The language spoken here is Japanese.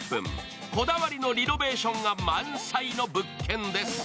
こだわりのリノベーションが満載の物件です。